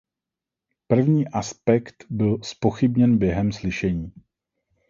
První aspekt byl zpochybněn během slyšení.